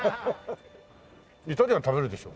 イタリアン食べるでしょ？